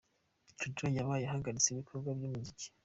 Jojo yabaye ahagaritse ibikorwa by’umuziki